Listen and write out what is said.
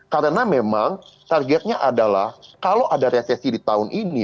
karena memang targetnya adalah kalau ada resesi di tahun ini